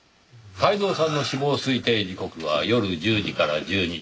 泰造さんの死亡推定時刻は夜１０時から１２時。